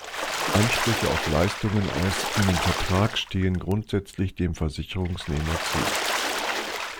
Ansprüche auf Leistungen aus einem Vertrag stehen grundsätzlich dem Versicherungsnehmer zu.